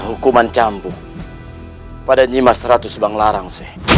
hukuman campur pada nyimah seratus banglarang